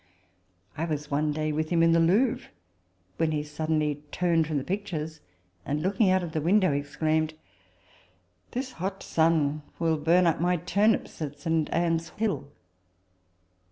I was one day with him in the Louvre, when he suddenly turned from the pictures, and, looking out at the window, ex claimed, " This hot sun will burn up my turnips at St. Anne's Hill."